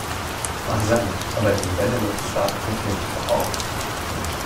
Mag sein, aber in den Benelux-Staaten funktioniert es doch auch.